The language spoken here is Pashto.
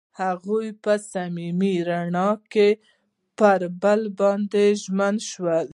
هغوی په صمیمي رڼا کې پر بل باندې ژمن شول.